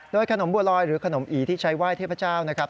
ขนมบัวลอยหรือขนมอีที่ใช้ไหว้เทพเจ้านะครับ